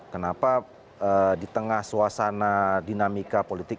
kenapa di tengah suasana dinamika politik